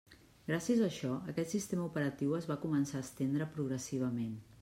Gràcies a això, aquest sistema operatiu es va començar a estendre progressivament.